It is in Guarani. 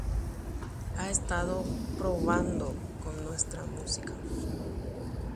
Oñeha'ã ohóvo ñande purahéi rehe.